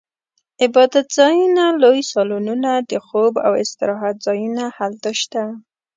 عبادتځایونه، لوی سالونونه، د خوب او استراحت ځایونه هلته شته.